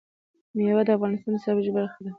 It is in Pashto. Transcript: مېوې د افغانستان د سیاسي جغرافیه برخه ده.